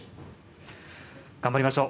頑張りましょう。